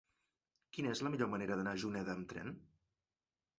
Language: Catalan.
Quina és la millor manera d'anar a Juneda amb tren?